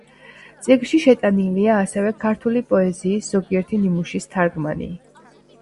წიგნში შეტანილია ასევე ქართული პოეზიის ზოგიერთი ნიმუშის თარგმანი.